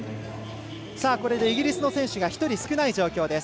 これでイギリスの選手が１人少ない状況です。